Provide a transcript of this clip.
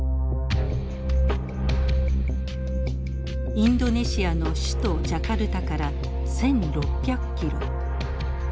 インドネシアの首都ジャカルタから１，６００キロ。